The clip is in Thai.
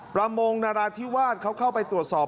ประมงนราธิวาสเขาเข้าไปตรวจสอบ